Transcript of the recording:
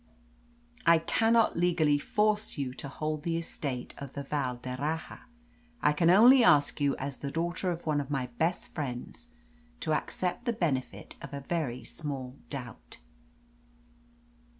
I cannot legally force you to hold the estate of the Val d'Erraha. I can only ask you as the daughter of one of my best friends to accept the benefit of a very small doubt."